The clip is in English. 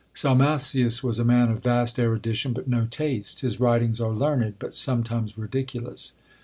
Salmasius was a man of vast erudition, but no taste. His writings are learned, but sometimes ridiculous.